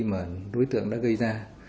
mà đối tượng đã gây ra